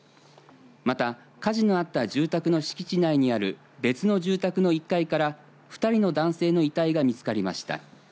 また火事のあった住宅の敷地内にある別の住宅の１階から２人の男性の遺体が見つかりました。